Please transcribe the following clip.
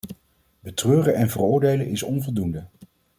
Betreuren en veroordelen is onvoldoende.